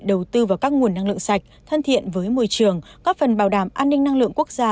đầu tư vào các nguồn năng lượng sạch thân thiện với môi trường góp phần bảo đảm an ninh năng lượng quốc gia